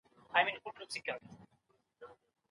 د پوهني په لاره کي هر ډول سختي تېرېږي.